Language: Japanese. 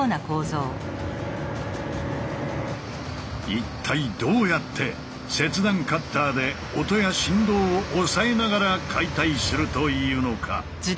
一体どうやって切断カッターで音や振動を抑えながら解体するというのか。